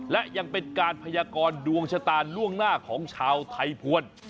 และยังเป็นการพยากรดวงชะตาล่วงหน้าของชาวไทยภวร